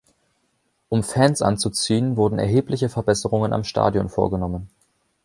Um Fans anzuziehen, wurden erhebliche Verbesserungen am Stadion vorgenommen.